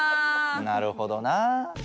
なるほどな。